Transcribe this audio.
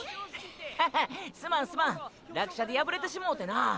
ッハハすまんすまん落車で破れてしもうてな。